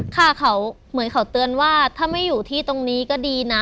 ค่ะเขาเหมือนเขาเตือนว่าถ้าไม่อยู่ที่ตรงนี้ก็ดีนะ